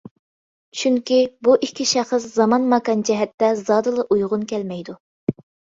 چۈنكى، بۇ ئىككى شەخس زامان-ماكان جەھەتتە زادىلا ئۇيغۇن كەلمەيدۇ.